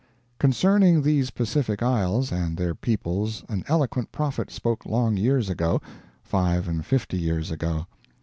Concerning these Pacific isles and their peoples an eloquent prophet spoke long years ago five and fifty years ago.